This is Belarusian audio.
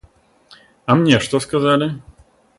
А мне што сказалі?